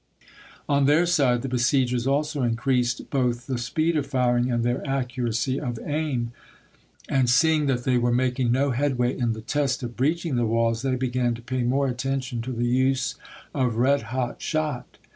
On their side the besiegers also increased both the speed of firing and their accuracy of aim, and see Foster, ing that they were making no headway in the test Api 'Srisei. of breaching the walls they began to pay more i.,p, 22" attention to the use of red hot shot.